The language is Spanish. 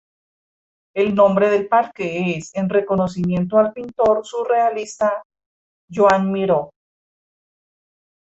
El nombre del parque es en reconocimiento al pintor surrealista Joan Miró.